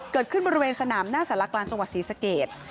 เกิดขึ้นบริเวณสนามหน้าสารกลางจังหวัดศรีสเกต